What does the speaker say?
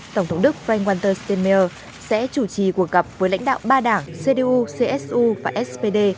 tổng thống đức frank walter stemmer sẽ chủ trì cuộc gặp với lãnh đạo ba đảng cdu csu và spd